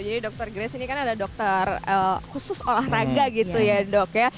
jadi dr grace ini kan ada dokter khusus olahraga gitu ya dok ya